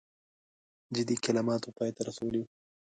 جدي کلماتو پای ته رسولی وو.